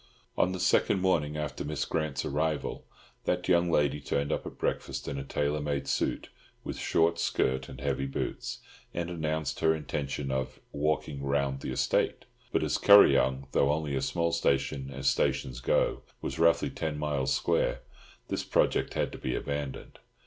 On the second morning after Miss Grant's arrival, that young lady turned up at breakfast in a tailor made suit with short skirt and heavy boots, and announced her intention of "walking round the estate;" but as Kuryong—though only a small station, as stations go—was, roughly, ten miles square, this project had to be abandoned.